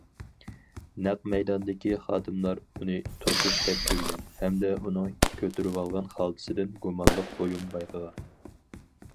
نەق مەيداندىكى خادىملار ئۇنى توسۇپ تەكشۈرگەن ھەمدە ئۇنىڭ كۆتۈرۈۋالغان خالتىسىدىن گۇمانلىق بۇيۇم بايقىغان.